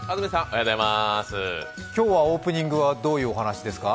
今日はオープニングは、どういうお話ですか。